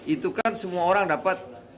itu kan semua orang dapat